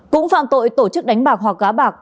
cũng phạm tội tổ chức đánh bạc hoặc gá bạc